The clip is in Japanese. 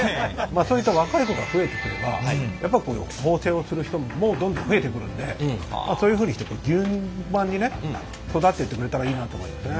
そういった若い子が増えてくれば縫製をする人もどんどん増えてくるんでそういうふうにして順番にね育ってってくれたらいいなと思いますね。